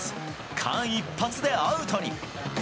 間一髪でアウトに。